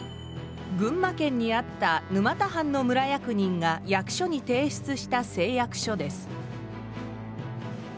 群馬県にあった沼田藩の村役人が役所に提出した誓約書です。